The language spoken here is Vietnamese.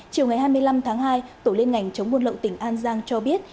chiều ngày hai mươi năm tháng hai tổ liên ngành chống buôn lậu tỉnh an giang cho biết